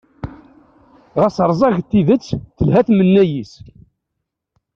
Ɣas rẓaget tidet, telhan tmenna-is.